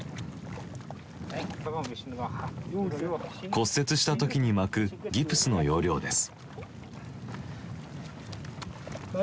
骨折した時に巻くギプスの要領です。